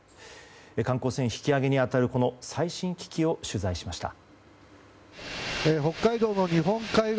観光船引き揚げに当たるこの最新機器を取材しました。